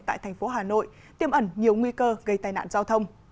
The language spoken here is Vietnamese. tại thành phố hà nội tiêm ẩn nhiều nguy cơ gây tai nạn giao thông